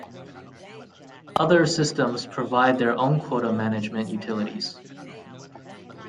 Other systems provide their own quota management utilities.